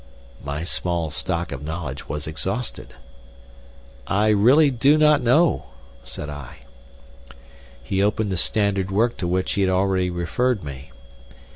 My small stock of knowledge was exhausted. "I really do not know," said I. He opened the standard work to which he had already referred me.